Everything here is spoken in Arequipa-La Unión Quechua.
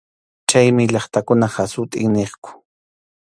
Chaymi llaqtakunap hasut’in niqku.